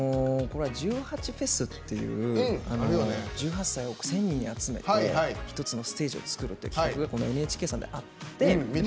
「１８祭」っていう１８歳を１０００人集めて一つのステージっていうのがこのＮＨＫさんであって。